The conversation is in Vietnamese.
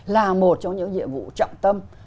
là một trong những nhiệm vụ trọng tâm